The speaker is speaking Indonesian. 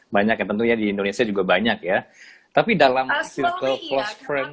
banyak yang tentunya di indonesia juga banyak ya tapi dalam circle close frame